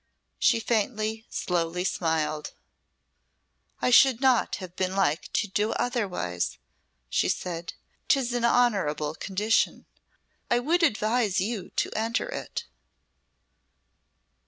She faintly, slowly smiled. "I should not have been like to do otherwise," she said; "'tis an honourable condition. I would advise you to enter it."